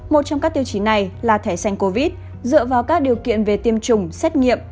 một trong các tiêu chí này là thẻ xanh covid dựa vào các điều kiện về tiêm chủng xét nghiệm